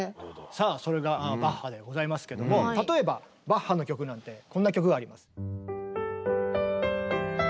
さあそれがバッハでございますけども例えばバッハの曲なんてこんな曲があります。